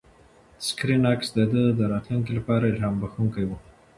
د سکرین عکس د ده د راتلونکي لپاره الهام بښونکی و.